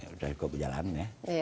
sudah berjalan ya